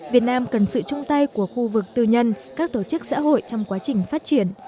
việt nam cần sự chung tay của khu vực tư nhân các tổ chức xã hội trong quá trình phát triển